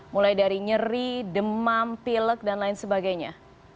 mulai dari nyeri demam pilek dan lain sebagainya